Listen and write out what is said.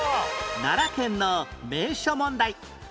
奈良県の名所問題